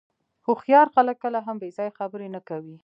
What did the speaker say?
هوښیار خلک کله هم بې ځایه خبرې نه کوي.